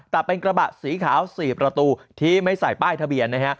แต่เป็นกระบะสีขาว๔ประตูที่ไม่ใส่ป้ายทะเบียนนะฮะ